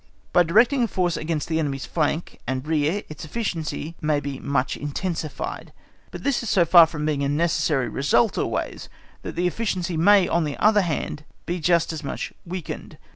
By directing a force against the enemy's flank and rear its efficacy may be much intensified; but this is so far from being a necessary result always that the efficacy may, on the other hand, be just as much weakened.